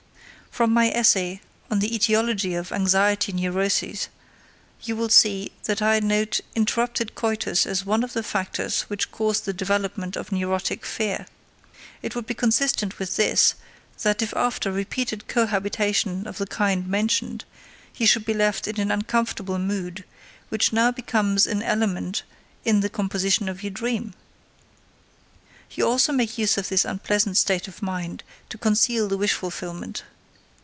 From my essay on the etiology of anxiety neuroses, you will see that I note interrupted coitus as one of the factors which cause the development of neurotic fear. It would be consistent with this that if after repeated cohabitation of the kind mentioned you should be left in an uncomfortable mood, which now becomes an element in the composition of your dream. You also make use of this unpleasant state of mind to conceal the wish fulfillment.